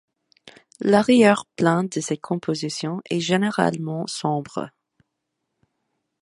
L'arrière-plan de ses compositions est généralement sombre.